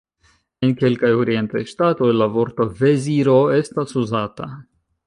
En kelkaj orientaj ŝtatoj la vorto "veziro" estas uzata.